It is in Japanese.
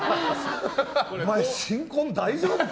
お前、新婚大丈夫か？